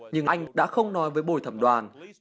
nhưng anh đã không nói với bồi thẩm đoàn